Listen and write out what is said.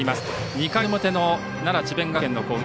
２回の表の奈良・智弁学園の攻撃。